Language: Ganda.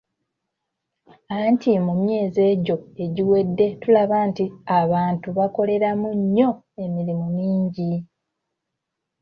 Anti mu myezi egyo egiwedde tulaba nti abantu bakoleramu nnyo emirimu mingi.